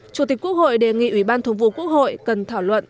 chủ tịch quốc hội đề nghị ủy ban thường vụ quốc hội cần thảo luận